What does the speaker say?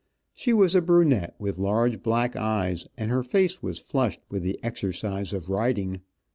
She was a brunette, with large black eyes, and her face was flushed with the exercise of riding.